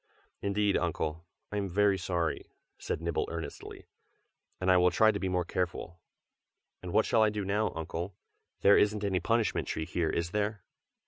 "Indeed, Uncle, I am very sorry!" said Nibble earnestly; "and I will try to be more careful. And and what shall I do now, Uncle? there isn't any punishment tree here, is there?"